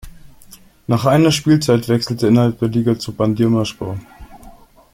Nach einer Spielzeit wechselte er innerhalb der Liga zu Bandırmaspor.